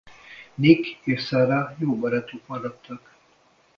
Nick és Sara jó barátok maradtak.